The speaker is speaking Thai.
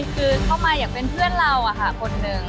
คือเข้ามาอยากเป็นเพื่อนเราคนหนึ่ง